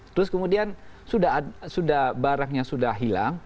terus kemudian sudah barangnya sudah hilang